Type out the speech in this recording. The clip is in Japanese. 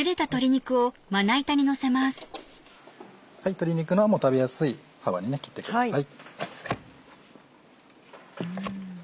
鶏肉食べやすい幅に切ってください。